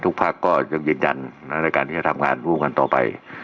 ทุกพักยังยืนยันในการทำงานร่วมกันต่อไป